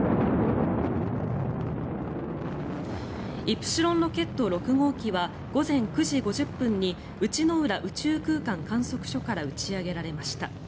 イプシロンロケット６号機は午前９時５０分に内之浦宇宙空間観測所から打ち上げられました。